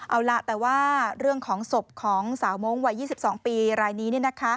เอาล่ะแต่ว่าเรื่องของศพของสาวมงค์วัย๒๒ปีรายนี้